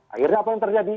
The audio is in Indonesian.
akhirnya apa yang terjadi